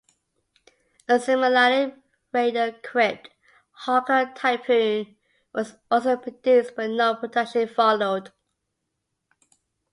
A similarly radar-equipped Hawker Typhoon was also produced but no production followed.